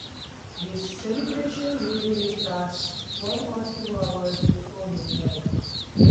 The celebration usually starts one or two hours before midnight.